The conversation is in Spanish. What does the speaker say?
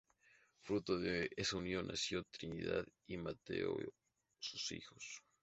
Fruto de esa unión, nació Trinidad y Mateo, sus hijos.